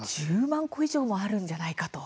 １０万個以上もあるんじゃないかと。